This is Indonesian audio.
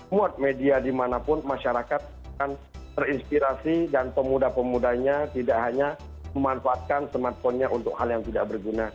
muat media dimanapun masyarakat akan terinspirasi dan pemuda pemudanya tidak hanya memanfaatkan smartphone nya untuk hal yang tidak berguna